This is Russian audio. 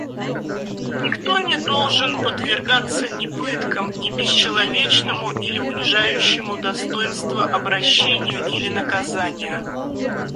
Никто не должен подвергаться ни пыткам, ни бесчеловечному или унижающему достоинство обращению или наказанию.